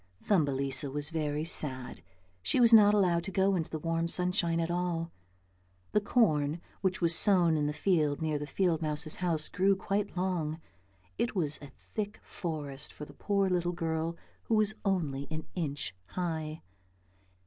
Thumbelisa was very sad. She was not allowed to go out into the warm sunshine at all; the corn which was sown in the field near the field mouse's house grew quite long, it was a thick forest for the poor little girl who Was only an inch high.